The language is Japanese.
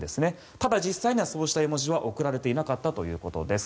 ただ、実際にはそうした絵文字は送られていなかったということです。